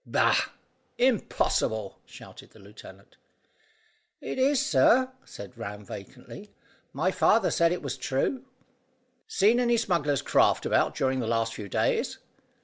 "Bah! Impossible," shouted the lieutenant. "Is it, sir?" said Ram vacantly. "My father said it was true." "Seen any smugglers' craft about during the last few days?"